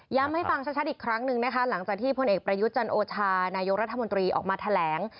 ให้ฟังชัดอีกครั้งหนึ่งนะคะหลังจากที่พลเอกประยุทธ์จันโอชานายกรัฐมนตรีออกมาแถลง